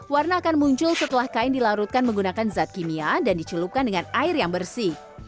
warna akan muncul setelah kain dilarutkan menggunakan zat kimia dan dicelupkan dengan air yang bersih